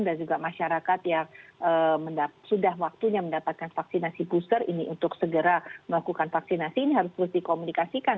dan juga masyarakat yang sudah waktunya mendapatkan vaksinasi booster ini untuk segera melakukan vaksinasi ini harus dikomunikasikan